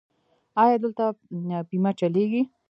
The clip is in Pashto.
ایا دلته بیمه چلیږي؟